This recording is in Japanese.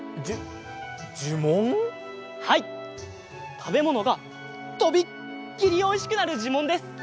たべものがとびっきりおいしくなるじゅもんです。